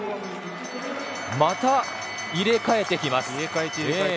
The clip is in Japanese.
また入れ替えてきます